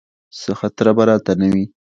څه خطره به راته نه وي.